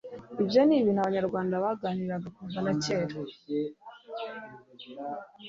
ibyo ni ibintu abanyarwanda baganiraga kuva na kera